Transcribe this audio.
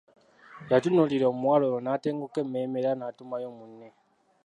Yatunuulira omuwala oyo n'atenguka emmeeme era n'atumayo munne.